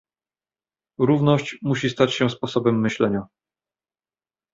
Równość musi stać się sposobem myślenia